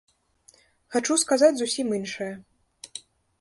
Хачу сказаць зусім іншае.